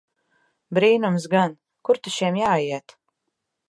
Brīnums gan! Kur ta šim jāiet!